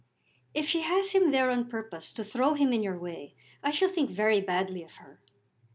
"If she has him there on purpose to throw him in your way, I shall think very badly of her."